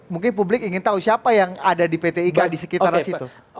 mungkin publik ingin tahu siapa yang ada di pt iga di sekitar situ